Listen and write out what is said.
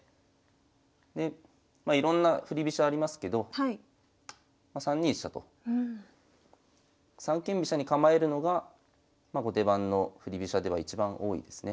でまあいろんな振り飛車ありますけど３二飛車と三間飛車に構えるのが後手番の振り飛車では一番多いですね。